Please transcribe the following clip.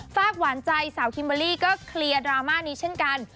ฝากหวานใจสาวคิมเบอร์รี่ก็เคลียร์ดราม่านี้เช่นกัน